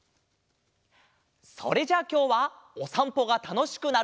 それじゃあきょうはおさんぽがたのしくなる